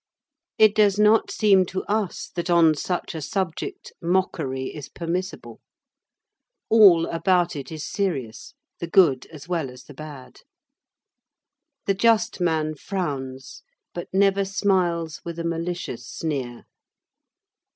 It does not seem to us, that on such a subject mockery is permissible. All about it is serious, the good as well as the bad. The just man frowns, but never smiles with a malicious sneer.